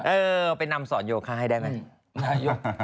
เออไปนำสอนโยคะให้ได้ไหม